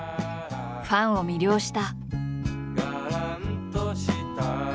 ファンを魅了した。